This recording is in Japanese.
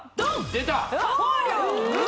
出た！